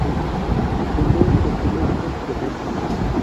Fundó el periódico "Defensa".